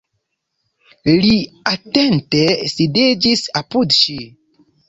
Li atente sidiĝis apud ŝi.